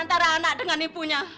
antara anak dengan ibunya